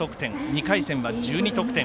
２回戦は１２得点。